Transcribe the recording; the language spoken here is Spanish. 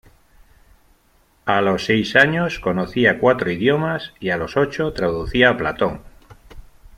A los seis años conocía cuatro idiomas y a los ocho traducía a Platón.